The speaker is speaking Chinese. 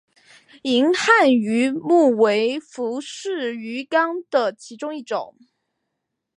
银汉鱼目为辐鳍鱼纲的其中一目。